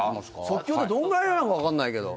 即興ってどんぐらいなのか分かんないけど。